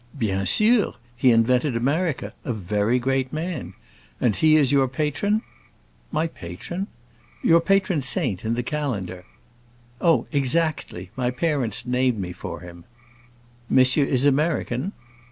"Bien sûr! He invented America; a very great man. And is he your patron?" "My patron?" "Your patron saint, in the calendar." "Oh, exactly; my parents named me for him." "Monsieur is American?"